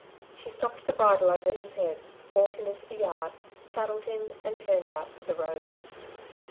She slipped the bridle over his head, brought him into the yard, saddled him and turned out to the road.